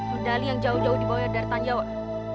medali yang jauh jauh dibawah dari tanjawat